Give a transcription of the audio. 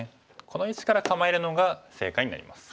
この位置から構えるのが正解になります。